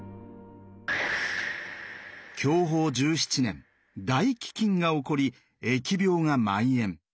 享保１７年大飢きんが起こり疫病がまん延。